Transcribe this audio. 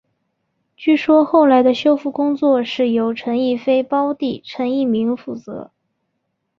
据说后来的修复工作是由陈逸飞胞弟陈逸鸣负责。